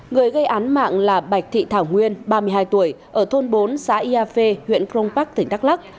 người gây án mạng là bạch thị thảo nguyên ba mươi hai tuổi ở thôn bốn xã ia phê huyện cron park tỉnh đắk lắc